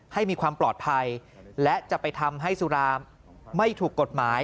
ให้มีความปลอดภัยและจะไปทำให้สุราไม่ถูกกฎหมาย